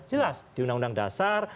jelas di undang undang dasar